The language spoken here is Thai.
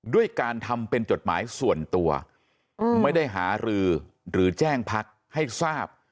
ด้วยการทำเป็นจดหมายส่วนตัวไม่ได้หารือหรือแจ้งพักให้ทราบ